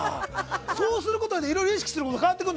そうすることでいろいろ意識するの変わってるの。